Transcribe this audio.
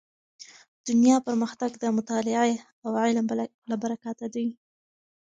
دنیا پرمختګ د مطالعې او علم له برکته دی.